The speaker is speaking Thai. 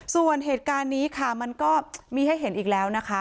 ส่วนเหตุการณ์นี้ค่ะมันก็มีให้เห็นอีกแล้วนะคะ